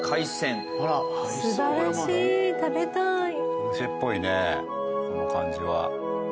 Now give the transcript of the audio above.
お店っぽいねこの感じは。